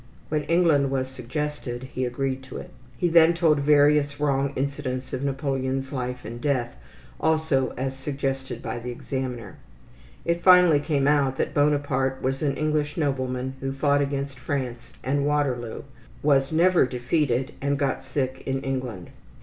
When England was suggested he agreed to it. He then told various wrong incidents of Napoleon's life and death, also as suggested by the examiner. It finally came out that Bonaparte was an English nobleman who fought against France and Waterloo, was never defeated, and got sick in England.